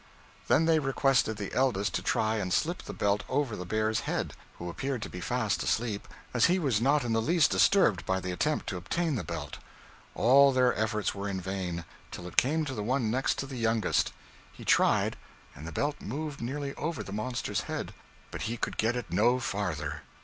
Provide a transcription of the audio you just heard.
Then they requested the eldest to try and slip the belt over the bear's head, who appeared to be fast asleep, as he was not in the least disturbed by the attempt to obtain the belt. All their efforts were in vain, till it came to the one next the youngest. He tried, and the belt moved nearly over the monster's head, but he could get it no farther.